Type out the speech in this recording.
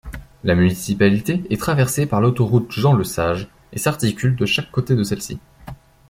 La municipalité est traversée par l'autoroute Jean-Lesage et s'articule de chaque côté de celle-ci.